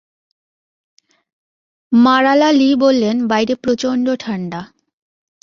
মারালা Lee বললেন, বাইরে প্রচণ্ড ঠাণ্ডা।